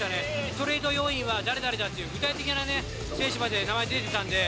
トレード要員は誰々だっていう具体的な選手まで名前出てたんで。